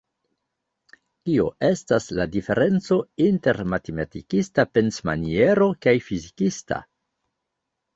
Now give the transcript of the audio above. Kio estas la diferenco inter matematikista pensmaniero kaj fizikista?